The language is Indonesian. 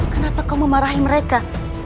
kenapa kau memarahi mereka